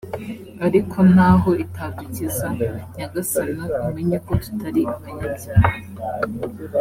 ariko naho itadukiza nyagasani umenye ko tutari abanyabyaha